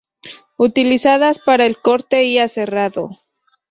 Utilizadas para el corte y aserrado.